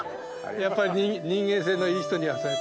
やっぱり人間性のいい人にはそうやって。